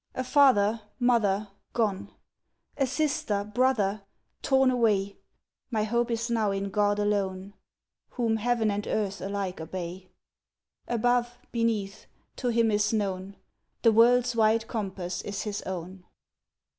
a father, mother, gone, A sister, brother, torn away, My hope is now in God alone, Whom heaven and earth alike obey. Above, beneath, to him is known, The world's wide compass is his own.